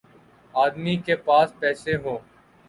آدمی کے پاس پیسے ہوں۔